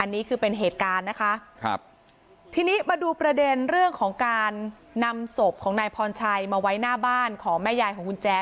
อันนี้คือเป็นเหตุการณ์นะคะครับทีนี้มาดูประเด็นเรื่องของการนำศพของนายพรชัยมาไว้หน้าบ้านของแม่ยายของคุณแจ๊